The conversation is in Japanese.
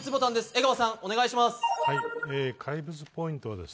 江川さん、お願いします。